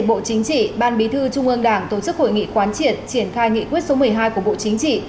bộ chính trị ban bí thư trung ương đảng tổ chức hội nghị quán triệt triển khai nghị quyết số một mươi hai của bộ chính trị